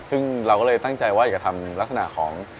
ซึ่งเราก็เลยตั้งใจว่าอยากจะทำลักษณะของ